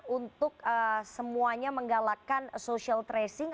untuk semuanya menggalakkan social tracing